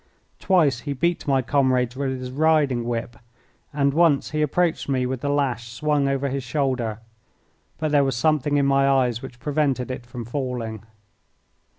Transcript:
Twice he beat my comrades with his riding whip, and once he approached me with the lash swung over his shoulder, but there was something in my eyes which prevented it from falling.